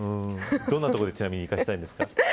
どんなところでちなみに生かしたいんですか。